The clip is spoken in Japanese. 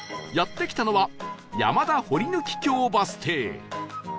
やって来たのは山田・堀貫橋バス停